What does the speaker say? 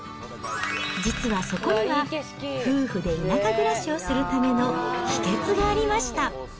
実はそこには、夫婦で田舎暮らしをするための秘けつがありました。